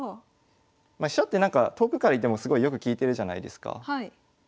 飛車って遠くからいてもすごいよく利いてるじゃないですか。